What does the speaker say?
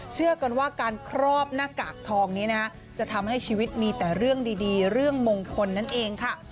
เชื่อกันว่าการครอบหน้ากากทองนี้นะจะทำให้ชีวิตมีแต่เรื่องดีเรื่องมงคลนั่นเองค่ะ